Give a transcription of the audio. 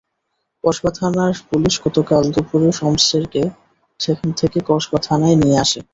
কসবা থানার পুলিশ গতকাল দুপুরে সমসেরকে সেখান থেকে কসবা থানায় নিয়ে আসে।